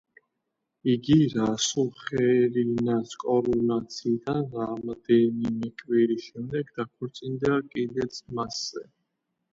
იგი რასუხერინას კორონაციიდან რამდენიმე კვირის შემდეგ დაქორწინდა კიდეც მასზე.